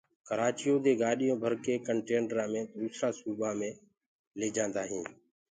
ڪرآچيو دي گآڏيونٚ ڀرڪي ڪنٽينرآ مي دوسرآ سوبآ مي ليجآنٚدآ هينٚ